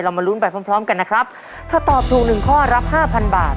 มาลุ้นไปพร้อมพร้อมกันนะครับถ้าตอบถูกหนึ่งข้อรับห้าพันบาท